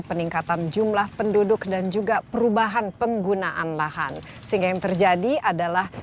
peningkatan jumlah penduduk dan juga perubahan penggunaan lahan sehingga yang terjadi adalah